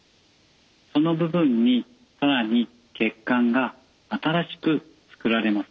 その部分に更に血管が新しく作られます。